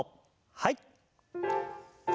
はい。